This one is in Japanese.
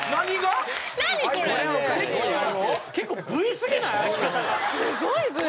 すごいＶ。